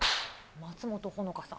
松本穂香さん。